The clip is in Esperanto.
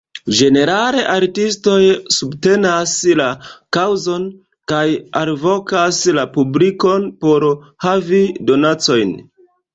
Ĝenerale artistoj subtenas la kaŭzon kaj alvokas la publikon por havi donacojn.